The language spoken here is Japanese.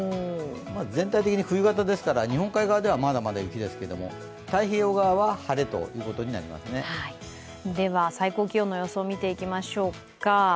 全体的に冬型ですから、日本海側ではまだまだ雪ですけども太平洋側は晴れということになりますねでは最高気温の予想、見ていきましょうか。